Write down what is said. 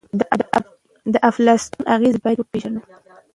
د انفلاسیون اغیزې باید وپیژنو.